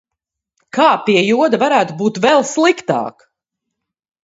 Kā, pie joda, varētu būt vēl sliktāk?